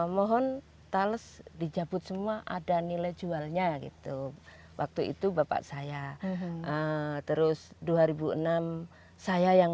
mohon tales dicabut semua ada nilai jualnya gitu waktu itu bapak saya terus dua ribu enam saya yang